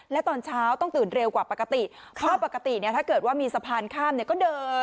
และตอนเช้าต้องตื่นเร็วกว่าปกติเพราะปกติเนี่ยถ้าเกิดว่ามีสะพานข้ามเนี่ยก็เดิน